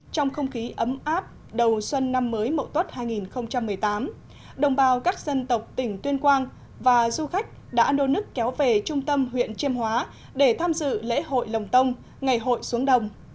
trong không khí ấm áp đầu xuân năm mới mậu tuất hai nghìn một mươi tám đồng bào các dân tộc tỉnh tuyên quang và du khách đã nô nức kéo về trung tâm huyện chiêm hóa để tham dự lễ hội lồng tông ngày hội xuống đồng